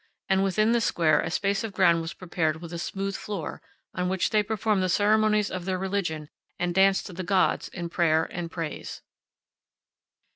43 within the square a space of ground was prepared with a smooth floor, on which they performed the ceremonies of their religion and danced to the gods in prayer and praise.